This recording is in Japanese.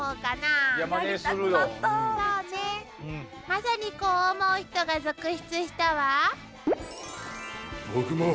まさにこう思う人が続出したわ。